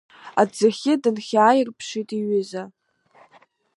Аҭӡахьы дынхьаирԥшит иҩыза.